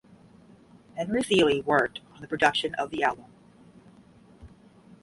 Henry Seeley worked on the production of the album.